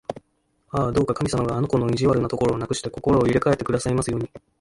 ああ、どうか神様があの子の意地悪なところをなくして、心を入れかえてくださいますように！